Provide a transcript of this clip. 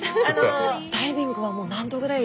ダイビングはもう何度ぐらい。